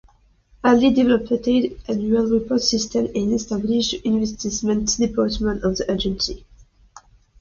Ali developed annual report systems and established the investment department of the agency.